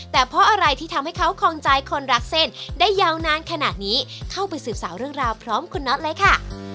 แต่เพราะอะไรที่ทำให้เขาคลองใจคนรักเส้นได้ยาวนานขนาดนี้เข้าไปสืบสาวเรื่องราวพร้อมคุณน็อตเลยค่ะ